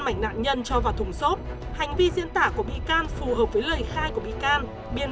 mảnh nạn nhân cho vào thùng xốp hành vi diễn tả của bị can phù hợp với lời khai của bị can biên